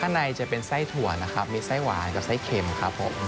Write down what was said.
มีไส้ถั่วนะครับมีไส้หวานกับไส้เข็มครับผม